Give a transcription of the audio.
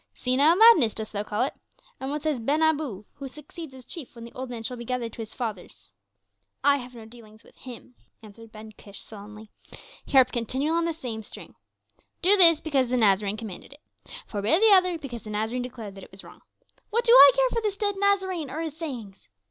"Senile madness, dost thou call it? And what says Ben Abu, who succeeds as chief when the old man shall be gathered to his fathers?" "I have no dealings with him," answered Ben Kish sullenly. "He harps continually on the same string. 'Do this because the Nazarene commanded it. Forbear the other because the Nazarene declared that it was wrong.' What do I care for this dead Nazarene or his sayings?